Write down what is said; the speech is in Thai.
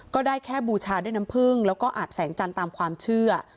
ก็ได้แค่บูชาด้วยน้ำผึ้งแล้วก็อาบแสงจันทร์ตามความเชื่อ